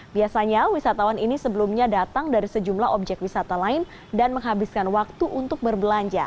biasanya wisatawan ini sebelumnya datang dari sejumlah objek wisata lain dan menghabiskan waktu untuk berbelanja